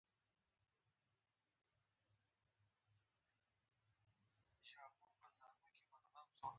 په دې قبر کې د چنار يو وچ لرګی ښخ و.